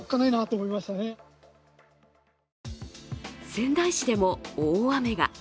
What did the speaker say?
仙台市でも大雨が。